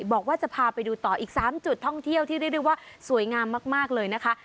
บอกว่าจะพาไปดูต่ออีก๓จุดท่องเที่ยวที่เรียกได้ว่าสวยงามมากเลยนะคะ